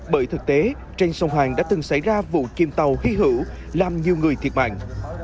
bởi thực tế trên sông hoàng đã từng xảy ra vụ chìm tàu hy hữu làm nhiều người thiệt mạng